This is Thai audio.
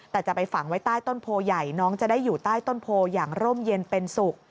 แต่จะไปฝังไว้ใต้ต้นโพใหญ่น้องจะได้อยู่ใต้ต้นโพอย่างร่มเย็นเป็นสุข